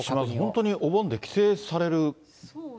本当にお盆で帰省される方がね。